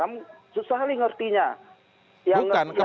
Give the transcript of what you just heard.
kamu susah lih mengertinya